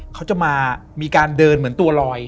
เขาจะมามีการเดินเหมือนตัวลอย